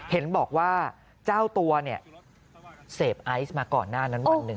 เห็นบอกว่าเจ้าตัวเนี่ยเสพไอซ์มาก่อนหน้านั้นวันหนึ่ง